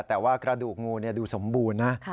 แต่ว่ากระดูกงูดูสมบูรณ์นะ